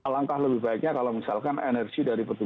langkah lebih baiknya kalau misalkan energi dari petugas